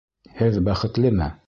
Һеҙ бәхетлеме?